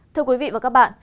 thưa quý vị và các bạn